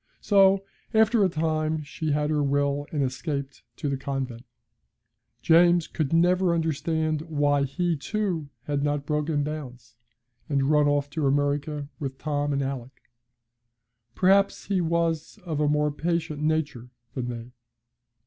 So, after a time, she had her will and escaped to the convent. James could never understand why he, too, had not broken bounds, and run off to America with Tom and Alick. Perhaps he was of a more patient nature than they.